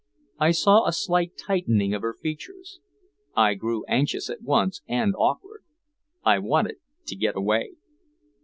I saw a slight tightening of her features. I grew anxious at once and awkward. I wanted to get away.